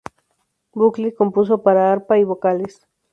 Buckley compuso para arpa y vocales.